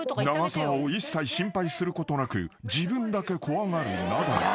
［長澤を一切心配することなく自分だけ怖がるナダル］